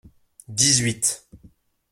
Dix-huit.